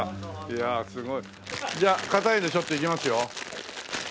いやあすごい。じゃあ硬いのちょっといきますよ。